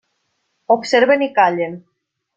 Observen i callen.